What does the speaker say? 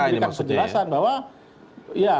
maka mahkamah konstitusi memiliki penjelasan bahwa